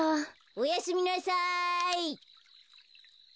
・おやすみなさい！